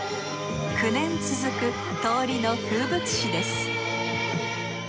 ９年続く通りの風物詩です